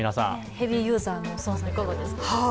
ヘビーユーザーの宋さん、いかがですか？